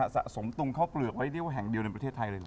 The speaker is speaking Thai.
สะสมตุงข้าวเปลือกไว้เรียกว่าแห่งเดียวในประเทศไทยเลยเหรอ